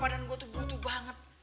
badan gue tuh butuh banget